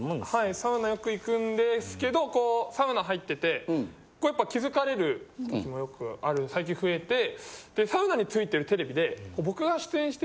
サウナよく行くんですけどサウナ入っててやっぱ気づかれる時もよくある最近増えてサウナに付いてるテレビで。